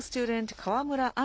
川村あん